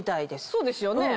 そうですよね。